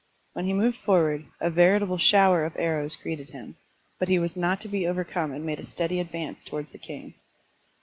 When he moved forward, a veritable shower of arrows greeted him, but he was not to be over come and made a steady advance towards the king.